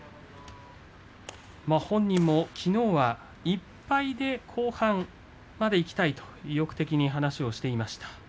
本人もきのうは１敗で後半までいきたいと意欲的に話していました。